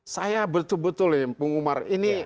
saya betul betul ya bung umar ini